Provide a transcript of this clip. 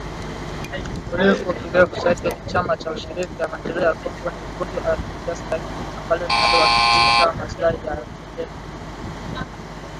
KODEKO kirefu chake ni chama cha ushirika ya maendeleo ya Kongo ni kundi la kisiasa na kidini ambalo linadai linawakilisha maslahi ya kabila la walendu